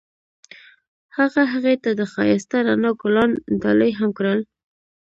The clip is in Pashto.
هغه هغې ته د ښایسته رڼا ګلان ډالۍ هم کړل.